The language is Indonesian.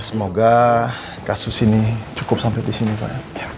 semoga kasus ini cukup sampai di sini pak